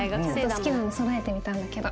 好きなのそろえてみたんだけど。